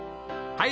はい。